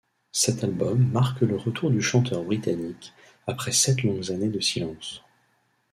Cet album marque le retour du chanteur britannique après sept longues années de silence.